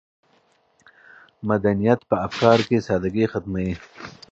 مدنیت په افکارو کې سادګي ختموي.